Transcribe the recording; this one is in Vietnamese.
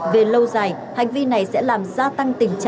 về lâu dài hành vi này sẽ làm ra tăng trưởng của người phụ nữ